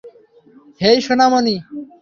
হেই, সোনামণি!